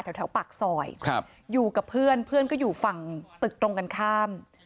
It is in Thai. แถวปากซอยอยู่กับเพื่อนเพื่อนก็อยู่ฝั่งตึกตรงกันข้าม